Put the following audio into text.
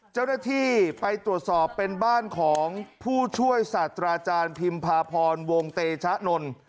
เจ้าหน้าที่ไปตรวจสอบเป็นบ้านของผู้ช่วยศาสตราอาจารย์พิมพาพรวงเตชะนนท์